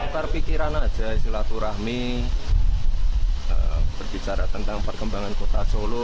terpikiran aja silaturahmi berbicara tentang perkembangan kota solo